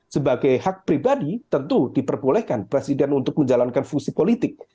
sebagai hak pribadi tentu diperbolehkan presiden untuk menjalankan fungsi politik